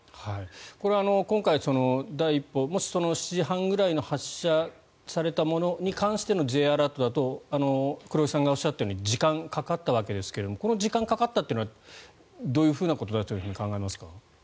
これ、今回第１報、もし７時半くらいに発射されたものに関してのＪアラートだと黒井さんがおっしゃったように時間がかかったわけですがこの時間がかかったというのはどういうことだと考えますか？